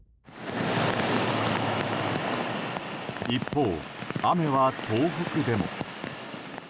一方、雨は東北でも。